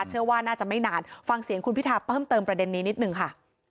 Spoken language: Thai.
เชื่อว่าน่าจะไม่นานฟังเสียงคุณพิธาเพิ่มเติมประเด็นนี้นิดนึงค่ะ